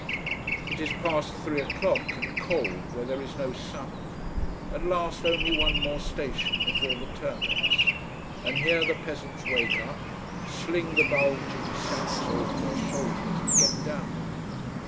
It is past three o'clock, and cold where there is no sun. At last only one more station before the terminus. And here the peasants wake up, sling the bulging sacks over their shoulders, and get down.